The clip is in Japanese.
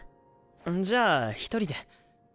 んじゃあ一人で。